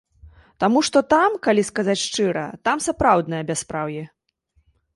Таму што там, калі сказаць шчыра, там сапраўднае бяспраўе.